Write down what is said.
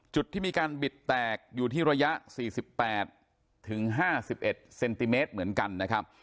จุดที่มีการบิดแตกอยู่ที่ระยะ๔๘๕๑เซนติเมตรเหมือนกันนะครับ